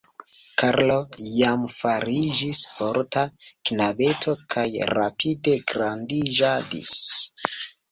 Karlo jam fariĝis forta knabeto kaj rapide grandiĝadis.